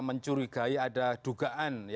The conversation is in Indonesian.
mencurigai ada dugaan